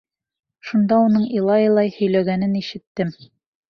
Шунда уның илай-илай һөйләнгәнен ишеттем: